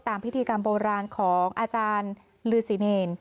พิธีกรรมโบราณของอาจารย์ลือสิเนร